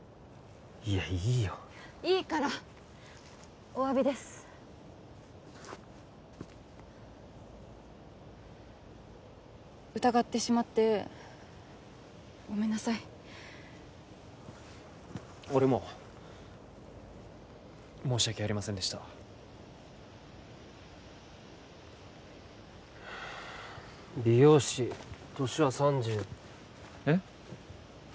いやいいよいいからっお詫びです疑ってしまってごめんなさい俺も申し訳ありませんでした美容師年は３０えっ？